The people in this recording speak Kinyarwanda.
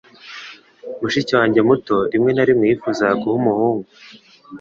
Mushiki wanjye muto rimwe na rimwe yifuzaga kuba umuhungu.